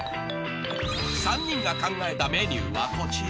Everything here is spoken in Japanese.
［３人が考えたメニューはこちら］